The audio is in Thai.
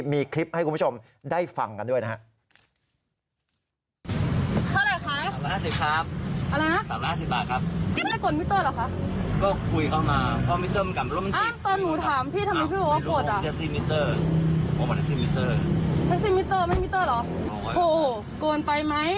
มีคลิปให้คุณผู้ชมได้ฟังกันด้วยนะครับ